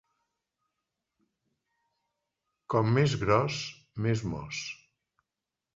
Com més gros, més mos.